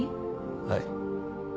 はい。